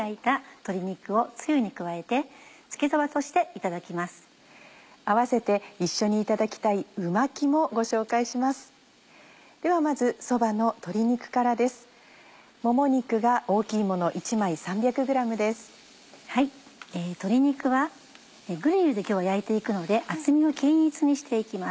鶏肉はグリルで今日は焼いて行くので厚みを均一にして行きます。